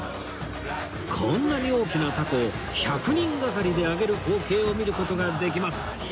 こんなに大きな凧を１００人がかりで揚げる光景を見る事ができます